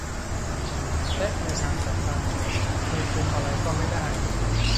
และในทางกลับกันคือคุมอะไรก็ไม่ได้